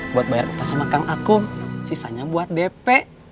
buat bayar utasa makan aku sisanya buat dp